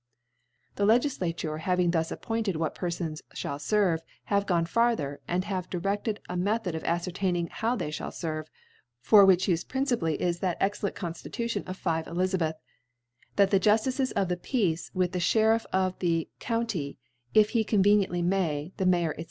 The Legiflature having thus appointtd what Perfons fhall (erve, have gone farther, and have directed a Method of afcertaining hoH they (hall ferve ; for whkh Ufe princi pally is that excellent Conftitution oi 5 Eli" su^ieib x^ ^ That the Juftices of the Peace, * with the Sheriff of the County, if he con * venienily may, the Mayor, £s?